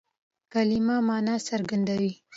کلیمه مانا څرګندوي.